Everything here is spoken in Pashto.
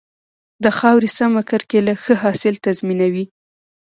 د خاورې سمه کرکيله ښه حاصل تضمینوي.